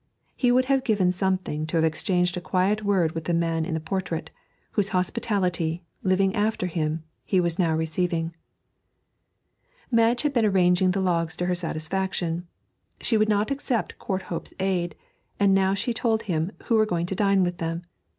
He would have given something to have exchanged a quiet word with the man in the portrait, whose hospitality, living after him, he was now receiving. Madge had been arranging the logs to her satisfaction, she would not accept Courthope's aid, and now she told him who were going to dine with them.